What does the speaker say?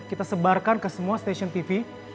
kita sebarkan ke semua stasiun tv